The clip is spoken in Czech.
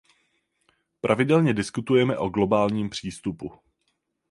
Pravidelně diskutujeme o globálním přístupu.